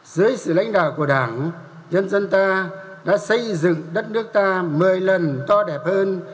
dưới sự lãnh đạo của đảng nhân dân ta đã xây dựng đất nước ta một mươi lần to đẹp hơn